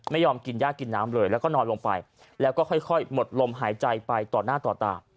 ไม่ยอมกินย่ากินน้ำเลยแล้วก็นอนลงไปแล้วก็ค่อยหมดลมหายใจไปต่อหน้าต่อตา